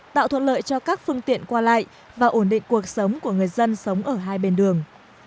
tạo thuận lợi cho các phương tiện qua lại và ổn định cuộc sống của người dân sống ở hai bên đường